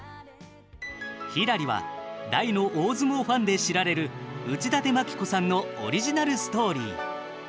「ひらり」は大の大相撲ファンで知られる内館牧子さんのオリジナルストーリー。